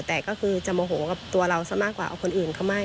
แต่ก็คือจะโมโหกับตัวเราซะมากกว่าเอาคนอื่นเขาไม่